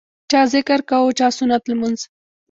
چا ذکر کاوه او چا سنت لمونځ.